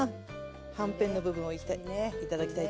はんぺんの部分を頂きたいと思います。